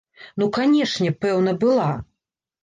Ну канечне, пэўна, была!